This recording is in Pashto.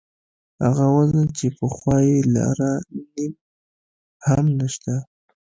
هغه وزن چې پخوا یې لاره نیم هم نشته.